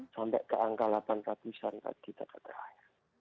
sampai ke angka delapan ratus an tadi tak terlalu